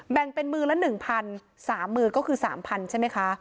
แบ่งเป็นมือละ๑๓๐๐มือก็คือ๓๐๐ใช่ไหมคะ